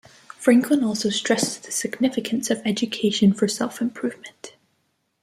Franklin also stresses the significance of education for self-improvement.